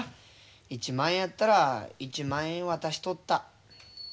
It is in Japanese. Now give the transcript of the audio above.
１万円あったら１万円渡しとった。